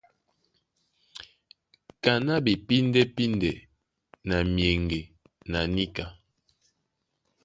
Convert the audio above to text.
Kaná ɓepíndɛ́píndɛ na myeŋge na níka.